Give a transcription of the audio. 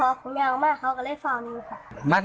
พ่อบอกว่าพ่อมีคนมาหาแต่พ่อผมก็เลยออก